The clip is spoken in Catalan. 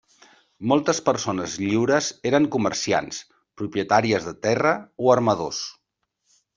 Moltes persones lliures eren comerciants, propietàries de terra o armadors.